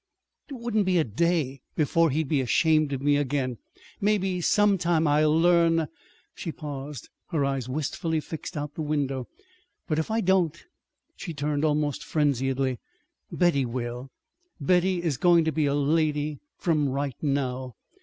'Twouldn't be a day before he'd be ashamed of me again. Maybe some time I'll learn " She paused, her eyes wistfully fixed out the window. "But if I don't" she turned almost frenziedly "Betty will. Betty is going to be a lady from right now.